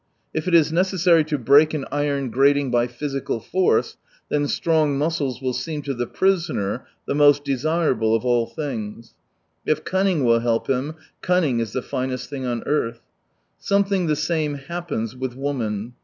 If it is necessary to break an iron grating by physical force, then strong muscles will seem to the prisoner the most desirable of all things., If cunning will help him, cunning is the finest thing on earth. Something the same happens with woman.